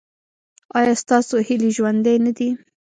ایا ستاسو هیلې ژوندۍ نه دي؟